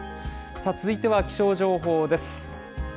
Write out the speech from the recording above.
さあ、続いては気象情報です。